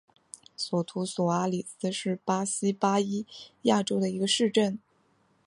索图索阿里斯是巴西巴伊亚州的一个市镇。